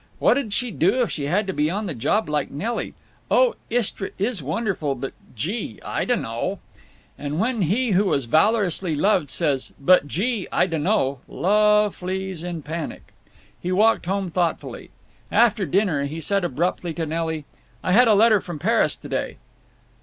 "What 'd she do if she had to be on the job like Nelly?… Oh, Istra is wonderful. But—gee!—I dunno—" And when he who has valorously loved says "But—gee!—I dunno—" love flees in panic. He walked home thoughtfully. After dinner he said abruptly to Nelly, "I had a letter from Paris to day."